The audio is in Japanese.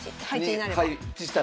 はい。